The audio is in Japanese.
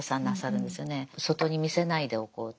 外に見せないでおこうと。